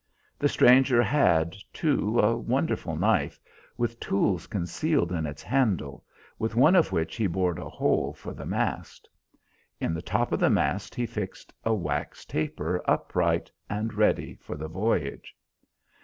The stranger had, too, a wonderful knife, with tools concealed in its handle, with one of which he bored a hole for the mast. In the top of the mast he fixed a wax taper upright and steady for the voyage.